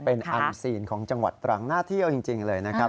เป็นอันซีนของจังหวัดตรังน่าเที่ยวจริงเลยนะครับ